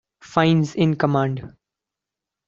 Fines in command.